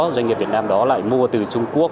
doanh nghiệp việt nam đó lại mua từ trung quốc